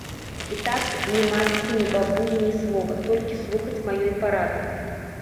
І так, ні матцы, ні бабулі ні слова, толькі слухаць маёй парады.